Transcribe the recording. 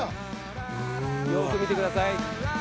よく見てください。